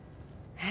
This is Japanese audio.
えっ？